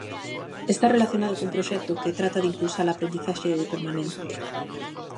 Está relacionado cun proxecto que trata de impulsar a aprendizaxe permanente.